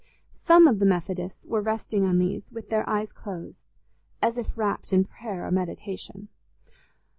Some of the Methodists were resting on these, with their eyes closed, as if wrapt in prayer or meditation.